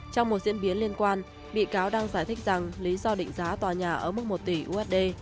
trong một diễn biến liên quan bị cáo đang giải thích rằng lý do định giá tòa nhà ở mức một tỷ usd